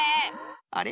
あれ？